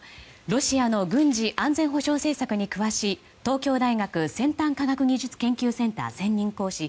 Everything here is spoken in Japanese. ロシアの軍事・安全保障政策に詳しい東京大学先端科学技術研究センター専任講師